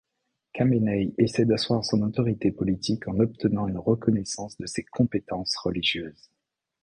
Khamenei essaie d'assoir son autorité politique en obtenant une reconnaissance de ses compétences religieuses.